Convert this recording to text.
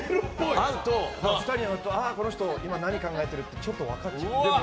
会うとああ、この人、今何考えてるってちょっと分かっちゃう。